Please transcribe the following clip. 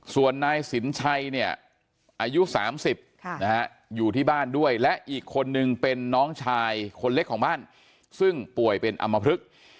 ส่วนนายสินชัยเนี่ยอายุ๓๐อยู่ที่บ้านด้วยและอีกคนนึงเป็นน้องชายคนเล็กของบ้านซึ่งป่วยเป็นอำมพลึก